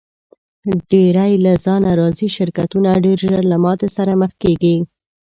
ډېری له ځانه راضي شرکتونه ډېر ژر له ماتې سره مخ کیږي.